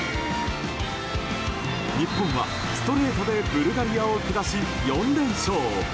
日本はストレートでブルガリアを下し４連勝。